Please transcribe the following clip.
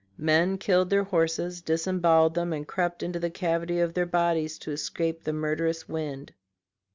Men killed their horses, disemboweled them, and crept into the cavity of their bodies to escape the murderous wind.